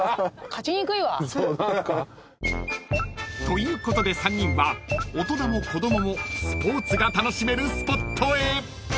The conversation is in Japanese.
［ということで３人は大人も子供もスポーツが楽しめるスポットへ］